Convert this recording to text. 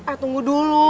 eh tunggu dulu